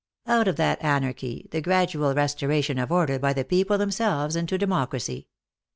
Out of that anarchy the gradual restoration of order by the people themselves, into democracy.